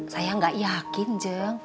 saya gak yakin jeng